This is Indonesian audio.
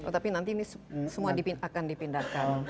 tapi nanti ini semua akan dipindahkan